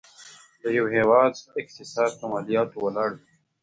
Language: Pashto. د یو هيواد اقتصاد په مالياتو ولاړ وي.